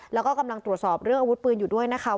แล้วก็กำลังตรวจสอบเรื่องอาวุธปืนอยู่ด้วยนะคะ